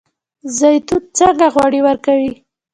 زیتون څنګه غوړي ورکوي؟